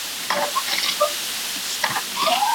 ایا استاد د څيړني موضوع تاییدوي؟